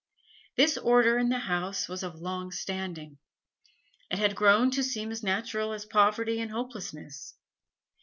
This order in the house was of long standing; it had grown to seem as natural as poverty and hopelessness.